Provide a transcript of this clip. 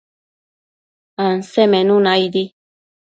Ansemenuna aidi